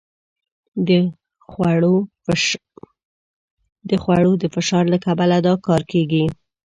د خوړو د فشار له کبله دا کار کېږي.